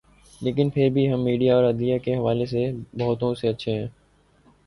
لیکن پھر بھی میڈیا اور عدلیہ کے حوالے سے ہم بہتوں سے اچھے ہیں۔